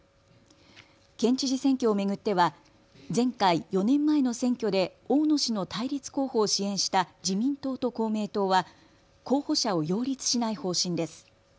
県知事選挙を巡っては前回４年前の選挙で大野氏の対立候補を支援した自民党と公明党は候補者を擁立しない方針です。